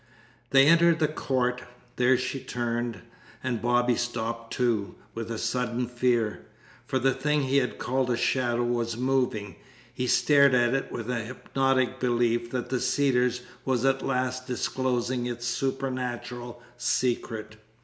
They entered the court. There she turned, and Bobby stopped, too, with a sudden fear. For the thing he had called a shadow was moving. He stared at it with a hypnotic belief that the Cedars was at last disclosing its supernatural secret.